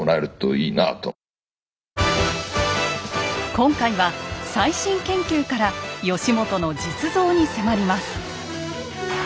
今回は最新研究から義元の実像に迫ります。